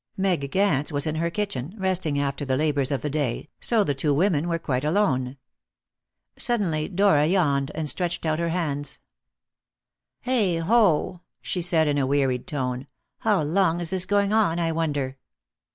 Meg Gance was in her kitchen, resting after the labours of the day, so the two women were quite alone. Suddenly Dora yawned, and stretched out her hands. "Heigh ho!" said she in a wearied tone. "How long is this going on, I wonder?"